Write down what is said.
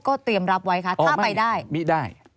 ก็เตรียมรับไว้คะถ้าไปได้